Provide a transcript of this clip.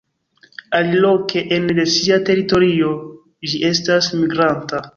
Aliloke ene de sia teritorio ĝi estas migranta.